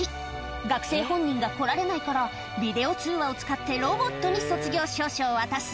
学生本人が来られないから、ビデオ通話を使ってロボットに卒業証書を渡す。